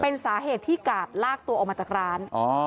เป็นสาเหตุที่กาดลากตัวออกมาจากร้าน